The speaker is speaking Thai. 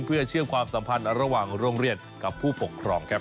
เพื่อเชื่อมความสัมพันธ์ระหว่างโรงเรียนกับผู้ปกครองครับ